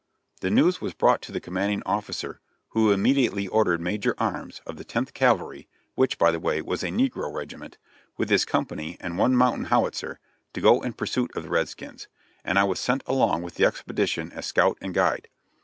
The news was brought to the commanding officer, who immediately ordered Major Arms, of the Tenth Cavalry which, by the way, was a negro regiment, with his company and one mountain howitzer, to go in pursuit of the red skins, and I was sent along with the expedition as scout and guide.